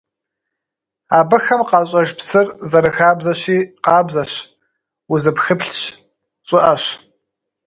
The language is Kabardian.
Абыхэм къащӀэж псыр, зэрыхабзэщи, къабзэщ, узыпхыплъщ, щӀыӀэщ.